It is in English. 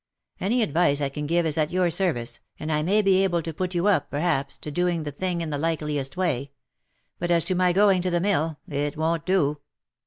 Any advice I can give is at your service, and I may be able to put you up, perhaps, to doing the thing in the likeliest way ; but as to my going to the mill, it won't do.